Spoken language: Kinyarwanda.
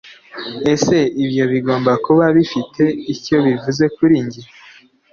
Ese ibyo bigomba kuba bifite icyo bivuze kuri njye?